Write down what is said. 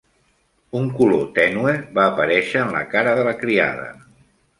Un color tènue va aparèixer en la cara de la criada.